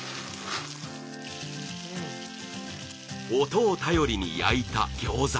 音を頼りに焼いた餃子。